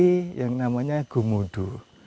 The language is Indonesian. aplikasi yang namanya gumudu